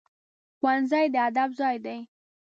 ښوونځی د ادب ځای دی